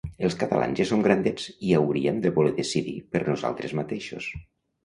Els catalans ja som grandets i hauríem de voler decidir per nosaltres mateixos.